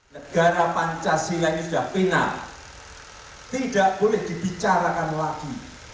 negara pancasila ini sudah final tidak boleh dibicarakan lagi